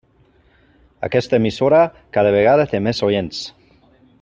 Aquesta emissora cada vegada té més oients.